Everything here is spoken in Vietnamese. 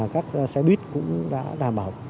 các xe buýt cũng đã đảm bảo